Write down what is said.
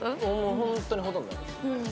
本当にほとんどない。